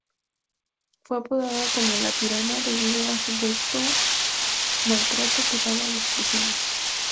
Fue apodada como "La Tirana" debido a supuesto maltrato que daba a los prisioneros.